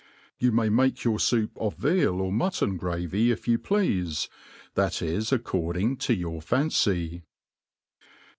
You may make your foup of veal or mutton gravy if you pleafe, that is according to your fancy.